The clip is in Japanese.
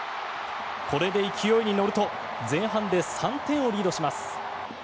これで勢いに乗ると前半で３点をリードします。